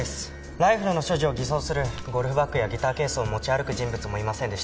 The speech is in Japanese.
ライフルの所持を偽装するゴルフバッグやギターケースを持ち歩く人物もいませんでした。